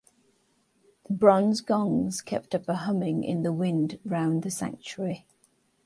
The bronze gongs kept up a humming in the wind round the sanctuary.